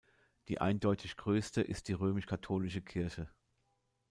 Die eindeutig Größte ist die römisch-katholische Kirche.